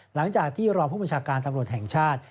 หลังจากที่รองผู้บัญชาการตำรวจแห่งชาติ